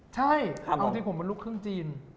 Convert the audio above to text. ใช่ครับผมอ้าวจริงผมเป็นลูกเครื่องจีน